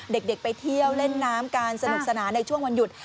เด็กไปเที่ยวเล่นน้ำกันสนุกสนานในช่วงวันหยุด